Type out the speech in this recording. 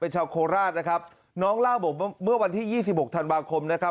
เป็นชาวโคราชนะครับน้องเล่าบอกว่าเมื่อวันที่๒๖ธันวาคมนะครับ